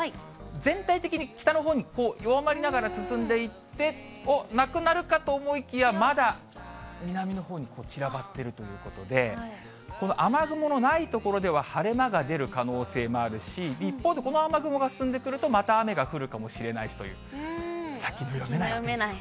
全体的に北のほうに弱まりながら進んでいって、おっ、なくなるかと思いきや、まだ南のほうに散らばっているということで、この雨雲のない所では、晴れ間が出る可能性もあるし、一方で、この雨雲が進んでくるとまた雨が降るかもしれないしという、先の読めないお天気と。